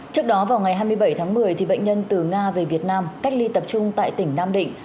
trước đó vào ngày hai mươi bảy tháng một mươi bệnh nhân từ nga về việt nam cách ly tập trung tại tỉnh nam định